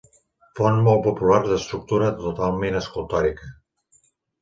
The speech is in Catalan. Font molt popular d'estructura totalment escultòrica.